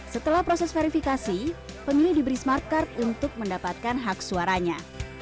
setelah proses verifikasi pemilih diberi smart card untuk mendapatkan hak suaranya